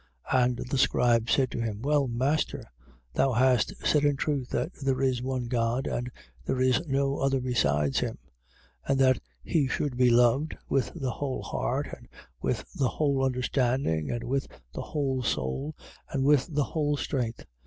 12:32. And the scribe said to him: Well, Master, thou hast said in truth that there is one God and there is no other besides him. 12:33. And that he should be loved with the whole heart and with the whole understanding and with the whole soul and with the whole strength.